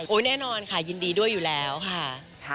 แน่นอนค่ะยินดีด้วยอยู่แล้วค่ะ